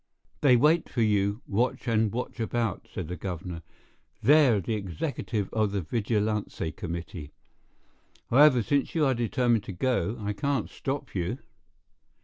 "They wait for you, watch and watch about," said the governor. "They're the executive of the vigilance committee. However, since you are determined to go, I can't stop you."